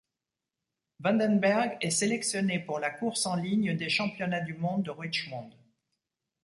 Vandenbergh est sélectionné pour la course en ligne des championnats du monde de Richmond.